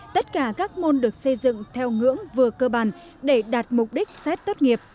tất cả các môn được xây dựng theo ngưỡng vừa cơ bản để đạt mục đích xét tốt nghiệp